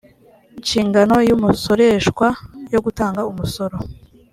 nshingano y umusoreshwa yo gutanga umusoro